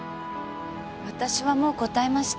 私はもう答えました。